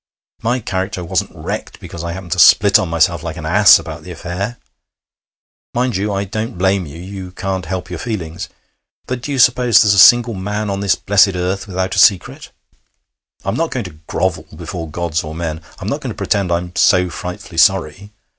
My character wasn't wrecked because I happened to split on myself, like an ass, about that affair. Mind you, I don't blame you. You can't help your feelings. But do you suppose there's a single man on this blessed earth without a secret? I'm not going to grovel before gods or men. I'm not going to pretend I'm so frightfully sorry.